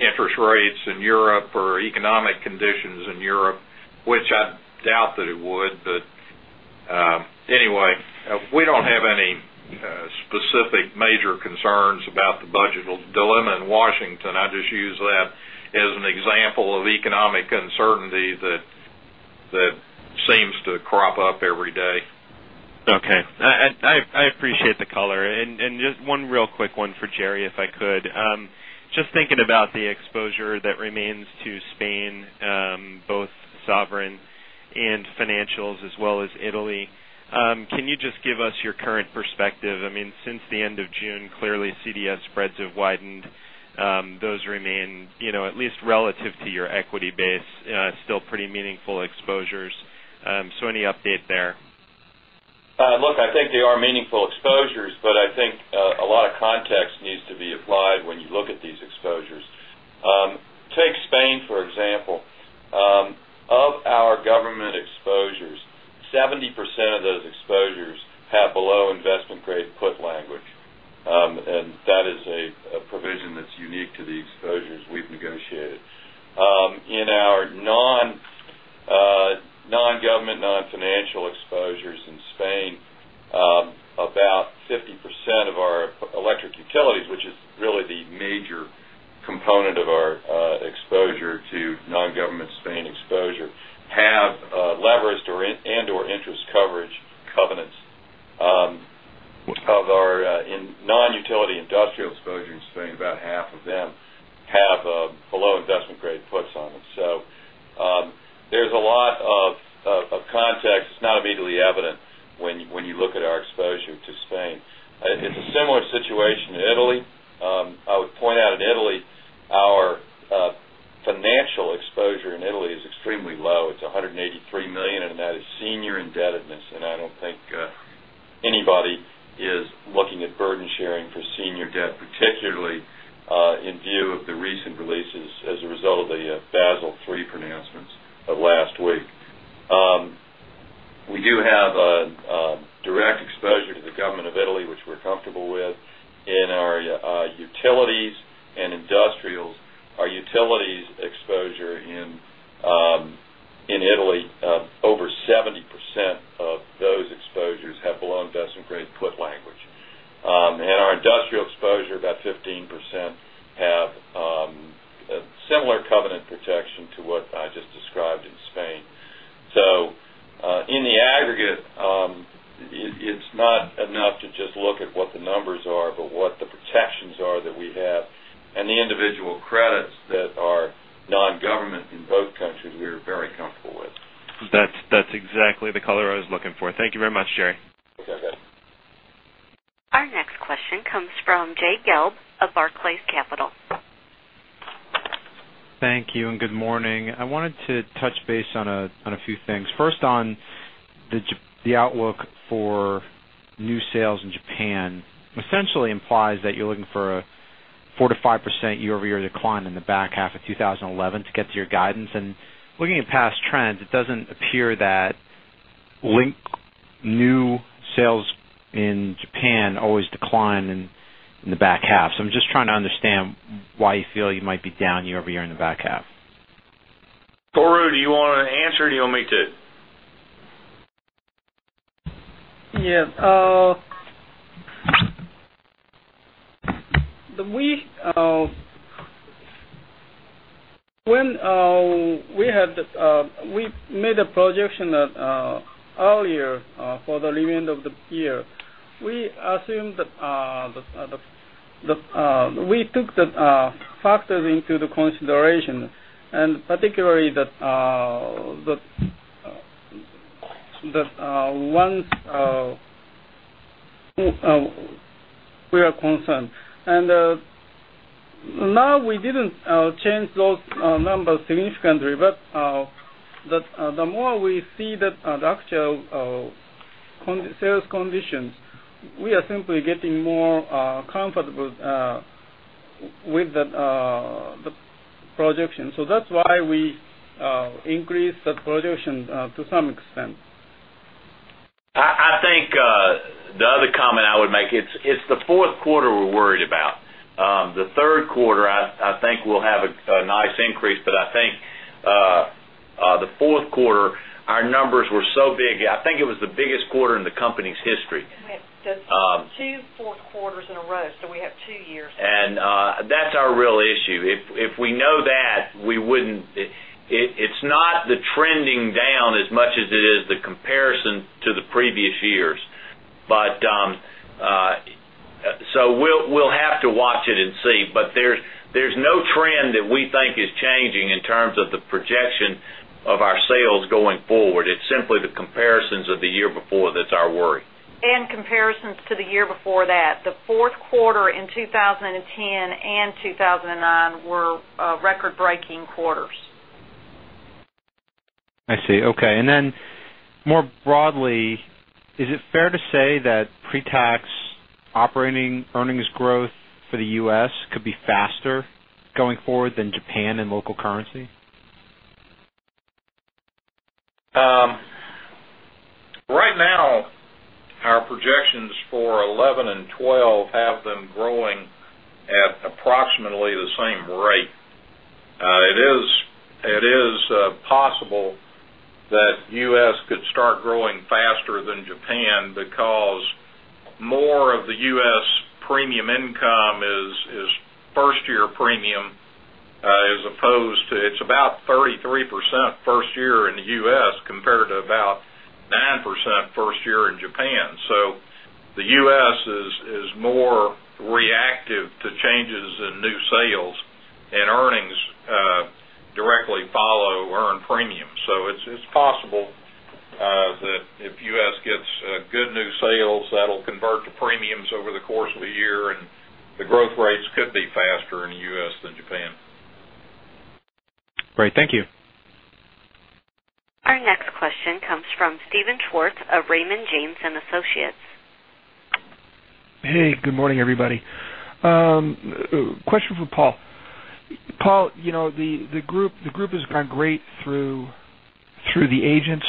interest rates in Europe or economic conditions in Europe, which I doubt that it would. Anyway, we don't have any specific major concerns about the budget dilemma in Washington. I just use that as an example of economic uncertainty that seems to crop up every day. Okay. I appreciate the color. Just one real quick one for Jerry, if I could. Just thinking about the exposure that remains to Spain, both sovereign and financials as well as Italy, can you just give us your current perspective? Since the end of June, clearly CDS spreads have widened. Those remain, at least relative to your equity base, still pretty meaningful exposures. Any update there? I think they are meaningful exposures, but I think a lot of context needs to be applied when you look at these exposures. Take Spain, for example. Of our government exposures, 70% of those exposures have below investment-grade put language. That is a provision that's unique to the exposures we've negotiated. In our non-government, non-financial exposures in Spain, about 50% of our electric utilities, which is really the major component of our exposure to non-government Spain exposure, have leveraged and/or interest coverage covenants. Of our non-utility industrial exposure in Spain, about half of them have below investment-grade puts on them. There's a lot of context. It's not immediately evident when you look at our exposure to Spain. It's a similar situation to Italy. I would point out in Italy, our financial exposure in Italy is extremely low. It's 183 million. That is senior indebtedness, and I don't think anybody is looking at burden-sharing for senior debt, particularly in view of the recent releases as a result of the Basel III pronouncements of last week. We do have a direct exposure to the government of Italy, which we're comfortable with in our utilities and industrials. Our utilities exposure in Italy, over 70% of those exposures have below investment-grade put language. Our industrial exposure, about 15%, have similar covenant protection to what I just described in Spain. In the aggregate, it's not enough to just look at what the numbers are, but what the protections are that we have and the individual credits that are non-government in both countries, we are very comfortable with. That's exactly the color I was looking for. Thank you very much, Jerry. Okay. Our next question comes from Jay Gelb of Barclays Capital. Thank you and good morning. I wanted to touch base on a few things. First on the outlook for new sales in Japan essentially implies that you're looking for a 4%-5% year-over-year decline in the back half of 2011 to get to your guidance. Looking at past trends, it doesn't appear that like new sales in Japan always decline in the back half. I'm just trying to understand why you feel you might be down year-over-year in the back half. Toru, do you want to answer or do you want me to? Yeah. When We made a projection earlier for the remainder of the year. We took the factors into the consideration and particularly that one we are concerned. Now we didn't change those numbers significantly, but the more we see the actual sales conditions, we are simply getting more comfortable with the projection. That's why we increased that projection to some extent. I think the other comment I would make, it's the fourth quarter we're worried about. The third quarter, I think we'll have a nice increase, but I think the fourth quarter, our numbers were so big. I think it was the biggest quarter in the company's history. That's two fourth quarters in a row. We have two years. That's our real issue. If we know that, we wouldn't. It's not the trending down as much as it is the comparison to the previous years. We'll have to watch it and see. There's no trend that we think is changing in terms of the projection of our sales going forward. It's simply the comparisons of the year before that's our worry. Comparisons to the year before that. The fourth quarter in 2010 and 2009 were record-breaking quarters. I see. Okay. Then more broadly, is it fair to say that pre-tax operating earnings growth for the U.S. could be faster going forward than Japan and local currency? Right now, our projections for 2011 and 2012 have them growing at approximately the same rate. It is possible that the U.S. could start growing faster than Japan because more of the U.S. premium income is first-year premium as opposed to, it's about 33% first year in the U.S. compared to about 9% first year in Japan. The U.S. is more reactive to changes in new sales, and earnings directly follow earned premiums. It's possible that if the U.S. gets good new sales, that'll convert to premiums over the course of a year, and the growth rates could be faster in the U.S. than Japan. Great. Thank you. Our next question comes from Steven Schwartz of Raymond James & Associates. Hey, good morning, everybody. Question for Paul. Paul, the group has gone great through the agents.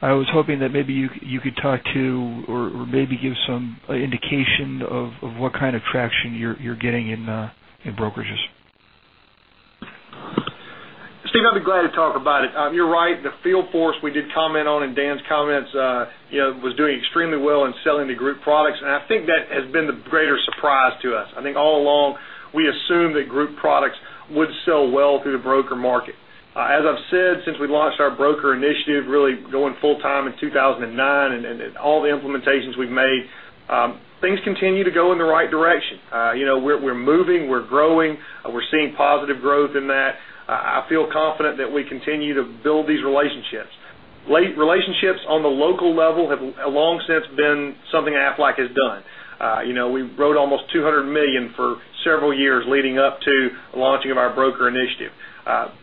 I was hoping that maybe you could talk to or maybe give some indication of what kind of traction you're getting in brokerages. Steve, I'd be glad to talk about it. You're right. The field force we did comment on in Dan's comments was doing extremely well in selling the group products, and I think that has been the greater surprise to us. I think all along, we assumed that group products would sell well through the broker market. As I've said, since we launched our broker initiative, really going full time in 2009 and all the implementations we've made, things continue to go in the right direction. We're moving, we're growing, we're seeing positive growth in that. I feel confident that we continue to build these relationships. Relationships on the local level have long since been something Aflac has done. We wrote almost 200 million for several years leading up to the launching of our broker initiative.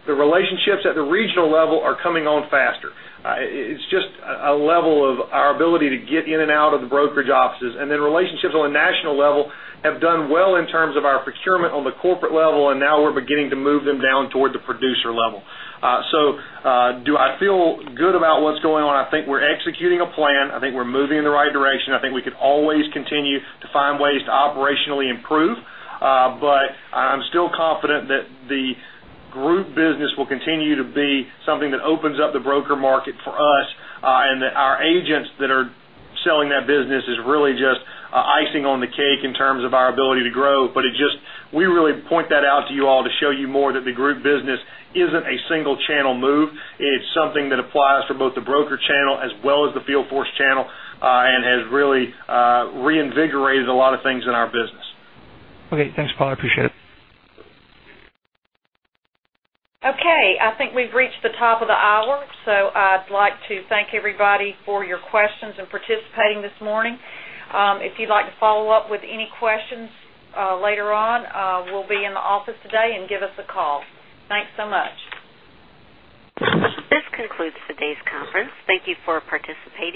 The relationships at the regional level are coming on faster. It's just a level of our ability to get in and out of the brokerage offices. Then relationships on a national level have done well in terms of our procurement on the corporate level, and now we're beginning to move them down toward the producer level. Do I feel good about what's going on? I think we're executing a plan. I think we're moving in the right direction. I think we could always continue to find ways to operationally improve. I'm still confident that the group business will continue to be something that opens up the broker market for us and that our agents that are selling that business is really just icing on the cake in terms of our ability to grow. We really point that out to you all to show you more that the group business isn't a single channel move. It's something that applies for both the broker channel as well as the field force channel and has really reinvigorated a lot of things in our business. Okay. Thanks, Paul. I appreciate it. Okay, I think we've reached the top of the hour, so I'd like to thank everybody for your questions and participating this morning. If you'd like to follow up with any questions later on, we'll be in the office today and give us a call. Thanks so much. This concludes today's conference. Thank you for participating.